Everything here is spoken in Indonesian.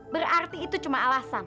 berarti itu cuma alasan